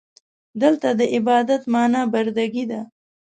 دلته د عبادت معنا برده ګي ده.